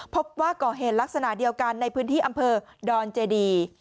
พบว่าก่อเหตุลักษณะเดียวกันในพื้นที่อำเภอดอนเจดี